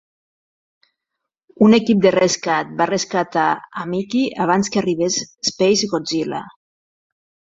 Un equip de rescat va rescatar a Miki abans que arribés SpaceGodzilla.